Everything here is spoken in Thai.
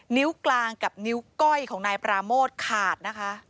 นิ้วกลางกับนิ้วก้อยของนายปราโมทขาดนะคะ